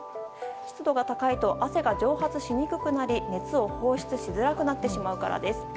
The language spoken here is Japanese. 湿度が高いと汗が蒸発しにくくなり熱を放出しづらくなってしまうからです。